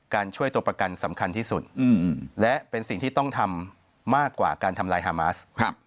ช่วยตัวประกันสำคัญที่สุดและเป็นสิ่งที่ต้องทำมากกว่าการทำลายฮามาส